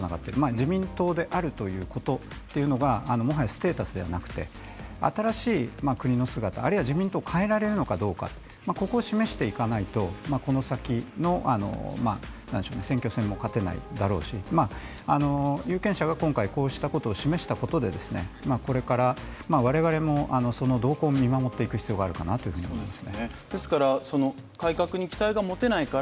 自民党であるということというのが、もはやステータスではなくて、新しい国の姿、あるいは自民党を変えられるのかどうか、ここを示していかないとこの先の選挙戦も勝てないだろうし有権者が今回こうしたことを示したことでこれから我々も動向を見守っていく必要があるかなと思います。